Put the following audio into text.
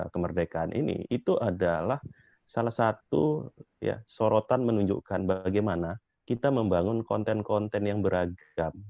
kemerdekaan ini itu adalah salah satu sorotan menunjukkan bagaimana kita membangun konten konten yang beragam